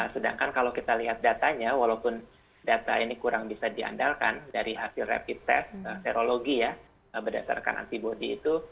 sedangkan kalau kita lihat datanya walaupun data ini kurang bisa diandalkan dari hasil rapid test serologi ya berdasarkan antibody itu